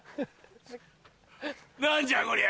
何じゃこりゃ！